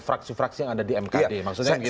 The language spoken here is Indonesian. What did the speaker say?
fraksi fraksi yang ada di mkd maksudnya begitu